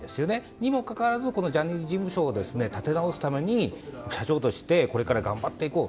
にもかかわらずジャニーズ事務所を立て直すため社長としてこれから頑張っていこう。